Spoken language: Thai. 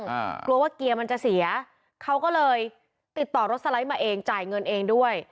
กลัวว่าเกียร์มันจะเสียเขาก็เลยติดต่อรถสไลด์มาเองจ่ายเงินเองด้วย